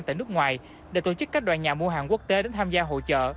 tại nước ngoài để tổ chức các đoàn nhà mua hàng quốc tế đến tham gia hội trợ